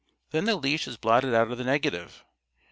Then the leash is blotted out of the negative.